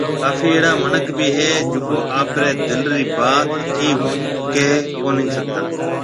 ڪافي اهڙا منک ڀِي هي جڪو آپرِي دل رِي بات ڪي ھون ڪهيَ ڪونهي ݾگتا